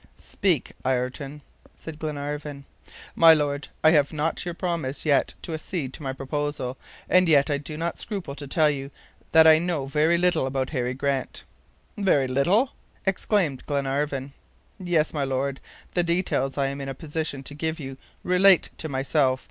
"Speak, Ayrton," said Glenarvan. "My Lord, I have not your promise yet to accede to my proposal, and yet I do not scruple to tell you that I know very little about Harry Grant." "Very little," exclaimed Glenarvan. "Yes, my Lord, the details I am in a position to give you relate to myself.